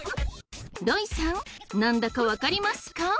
ロイさん何だか分かりますか？